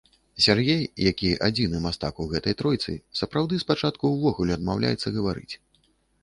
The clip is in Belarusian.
Сяргей, які адзіны мастак у гэтай тройцы, сапраўды спачатку ўвогуле адмаўляецца гаварыць.